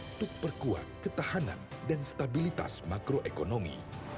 untuk perkuat ketahanan dan stabilitas makroekonomi